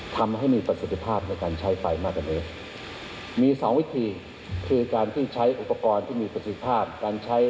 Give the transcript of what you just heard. ทำให้มีประสบภาพในการใช้ไฟมาก